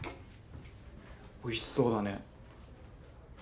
おいしそうだね。